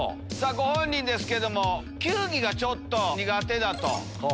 ご本人ですけども球技がちょっと苦手だと。